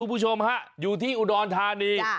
คุณผู้ชมฮะอยู่ที่อุดรธานี